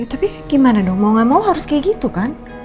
tapi gimana dong mau gak mau harus kayak gitu kan